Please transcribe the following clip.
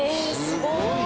すごい！」